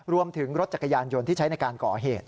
รวมถึงรถจักรยานยนต์ที่ใช้ในการก่อเหตุ